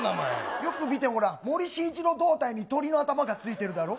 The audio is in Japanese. よく見てごらん、森進一の胴体に鳥の頭がついてるだろう。